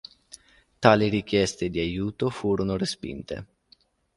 Tali richieste di aiuto furono respinte.